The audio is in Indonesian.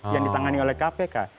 yang ditangani oleh kpk